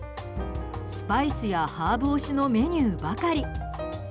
スパイスやハーブ推しのメニューばかり。